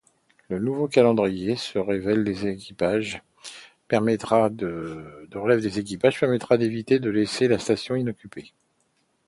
Le nouveau calendrier de relève des équipages permettra d'éviter de laisser la station inoccupée.